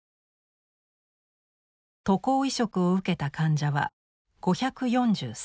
渡航移植を受けた患者は５４３名。